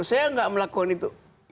saya nggak melakukan itu